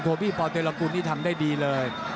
โคบีปอดเตรียมละกุลนี่ทำได้ดีเลย